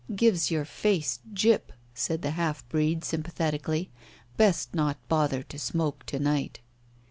"Gives your face gyp," said the half breed, sympathetically. "Best not bother to smoke to night."